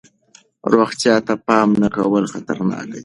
روغتیا ته پام نه کول خطرناک دی.